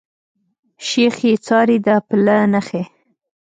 شيخ ئې څاري د پله نخښي